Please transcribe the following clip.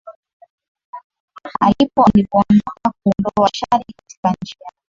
alipo alipoondoka kuondoa shari katika nchi yake